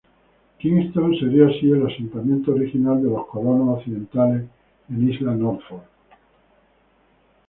Kingston sería así el asentamiento original de los colonos occidentales en Isla Norfolk.